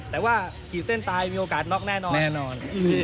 แต่ว่าขีดเส้นตายมีโอกาสน็อกแน่นอนแน่นอน